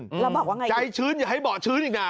เราบอกว่าไงอีกนะใจชื้นอย่าให้เบาะชื้นอีกนะ